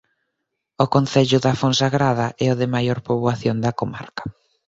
O concello da Fonsagrada é o de maior poboación da comarca.